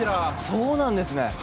そうなんですね。